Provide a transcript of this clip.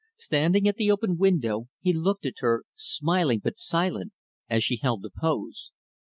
Standing at the open window, he looked at her smiling but silent as she held the pose.